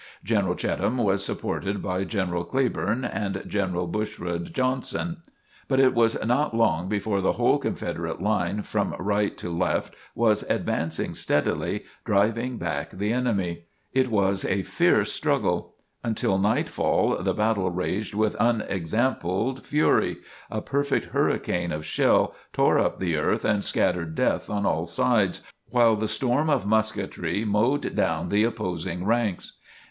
General Cheatham was supported by General Cleburne and General Bushrod Johnson, but it was not long before the whole Confederate line from right to left was advancing steadily, driving back the enemy. It was a fierce struggle. Until nightfall the battle raged with unexampled fury, a perfect hurricane of shell tore up the earth and scattered death on all sides, while the storm of musketry mowed down the opposing ranks.